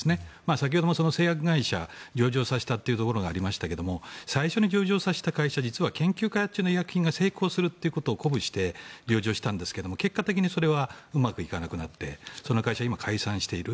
先ほどの製薬会社を上場させたというところがありましたけど最初に上場させた会社は研究開発中の医薬品が成功するということを鼓舞して上場したんですけども結果的にそれはうまくいかなくなってその会社は今、解散している。